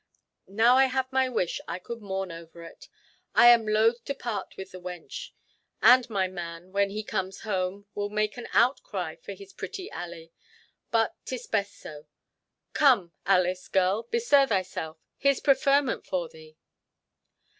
"Now I have my wish, I could mourn over it. I am loth to part with the wench; and my man, when he comes home, will make an outcry for his pretty Ally; but 'tis best so. Come, Alice, girl, bestir thyself. Here's preferment for thee."